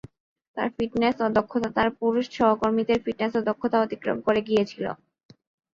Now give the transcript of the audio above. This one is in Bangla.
তার ফিটনেস ও দক্ষতা তার পুরুষ সহকর্মীদের ফিটনেস ও দক্ষতা অতিক্রম করে গিয়েছিল।